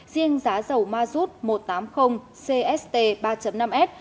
riêng giá dầu mazut một trăm tám mươi cst ba năm s